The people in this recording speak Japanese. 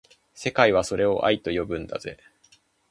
世界はそれを愛と呼ぶんだぜ